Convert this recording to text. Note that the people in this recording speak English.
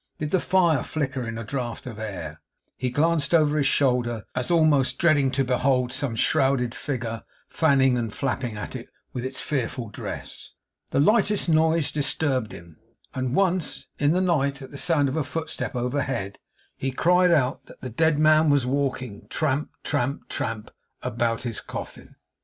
Did the fire flicker in a draught of air, he glanced over his shoulder, as almost dreading to behold some shrouded figure fanning and flapping at it with its fearful dress. The lightest noise disturbed him; and once, in the night, at the sound of a footstep overhead, he cried out that the dead man was walking tramp, tramp, tramp about his coffin.